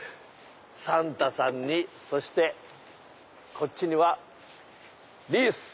サンタさんにそしてこっちにはリース！